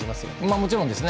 もちろんですね。